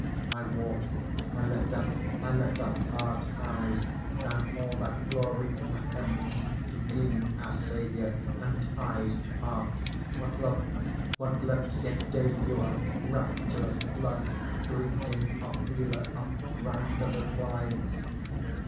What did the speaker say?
I walk, I lift up, I lift up heart, eyes, Down all that glory in the heavens to glean our Saviour; And, éyes, heárt, what looks, what lips yet gave you a Rapturous love's greeting of realer, of rounder replies?